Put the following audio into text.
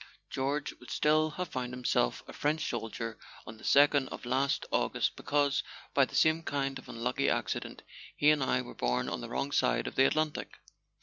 George would still have found himself a French soldier on the second of last August because, by the same kind of unlucky accident, he and I were born on the wrong side of the Atlantic.